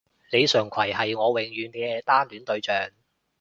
李純揆係我永遠嘅單戀對象